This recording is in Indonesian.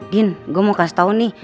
din gue mau kasih tau nih